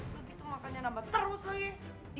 udah gitu makannya nambah terus lagi